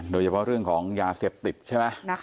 โดยเฉพาะเรื่องของยาเสพติดใช่ไหม